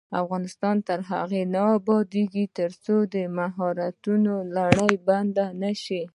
افغانستان تر هغو نه ابادیږي، ترڅو د مهاجرت لړۍ بنده نشي.